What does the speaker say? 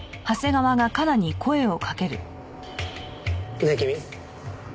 ねえ君。